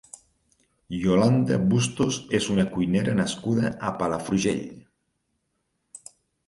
Iolanda Bustos és una cuinera nascuda a Palafrugell.